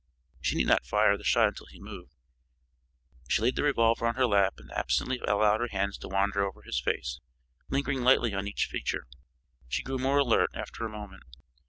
She need not fire the shot until he moved. She laid the revolver on her lap and absently allowed her hands to wander over his face, lingering lightly on each feature. She grew more alert after a moment.